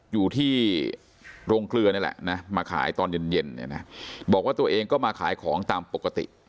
อยู่ที่โรงเกลือนี่แหละนะมาขายตอนเย็นเย็นเนี่ยนะบอกว่าตัวเองก็มาขายของตามปกติ